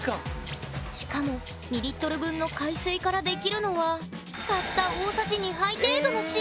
しかも２リットル分の海水からできるのはたった大さじ２杯程度の塩。